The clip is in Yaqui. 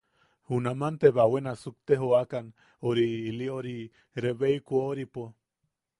Junaman te bawe nasuk te joʼokan ori ili ori rebbeikuoripo.